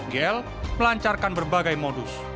gl melancarkan berbagai modus